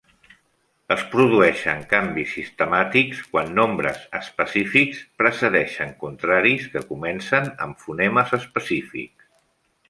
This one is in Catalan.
Es produeixen canvis sistemàtics quan nombres específics precedeixen contraris que comencen amb fonemes específics.